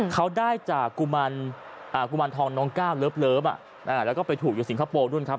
เขาได้จากกุมารทองน้องก้าวเลิฟแล้วก็ไปถูกอยู่สิงคโปร์นู่นครับ